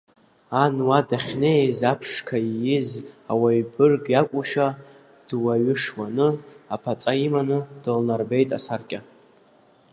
Ан уа дахьнеиз аԥшқа ииз ауаҩ бырг иакәушәа, дуаҩы шланы, аԥаҵа иманы дылнарбеит асаркьа.